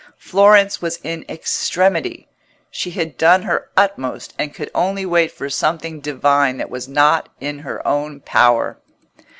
Florence was in extremity: she had done her utmost, and could only wait for something divine that was not in her own power.